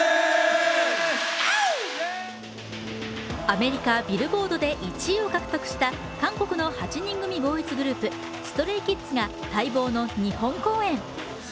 アメリカ・ビルボードで１位を獲得した韓国の８人組ボーイズグループＳｔｒａｙＫｉｄｓが待望の日本公演。